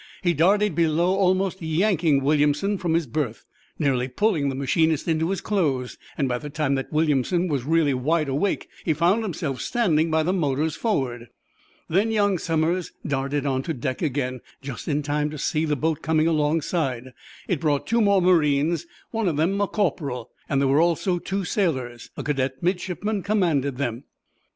He darted below, almost yanking Williamson from his berth, nearly pulling the machinist into his clothes. By the time that Williamson was really wide awake he found himself standing by the motors forward. Then young Somers darted onto deck again, just in time to see the boat coming alongside. It brought two more marines, one of them a corporal. There were also two sailors. A cadet midshipman commanded them.